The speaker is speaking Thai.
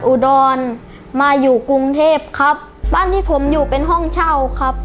อุดรมาอยู่กรุงเทพครับบ้านที่ผมอยู่เป็นห้องเช่าครับ